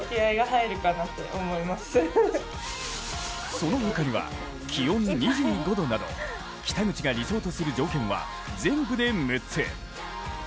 その他には、気温２５度など北口が理想とする条件は全部で６つ。